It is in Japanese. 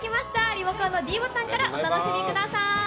リモコンのｄボタンからお楽しみください。